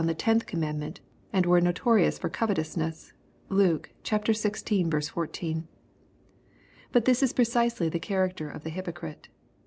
the tenth commandment, and were notorious for gov etousness. (Luke xvi. 14.) But this is precisely the character of the hypocrite.